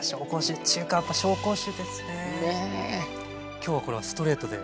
今日はこれはストレートで。